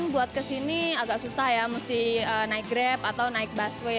buat kesini agak susah ya mesti naik grab atau naik busway